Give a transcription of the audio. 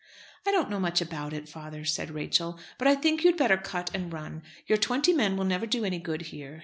"I don't know much about it, father," said Rachel, "but I think you'd better cut and run. Your twenty men will never do any good here.